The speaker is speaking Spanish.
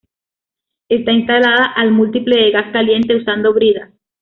Está instalada al múltiple de gas caliente usando bridas.